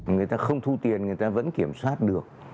người ta không thu tiền người ta vẫn kiểm soát được